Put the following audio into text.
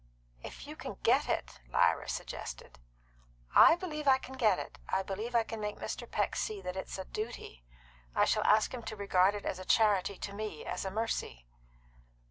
"If you can get it," Lyra suggested. "I believe I can get it. I believe I can make Mr. Peck see that it's a duty. I shall ask him to regard it as a charity to me as a mercy."